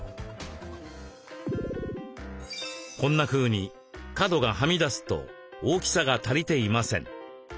こんなふうに角がはみ出すと大きさが足りていません。